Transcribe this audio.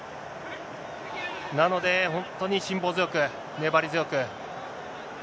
なので、本当に辛抱強く、粘り強く。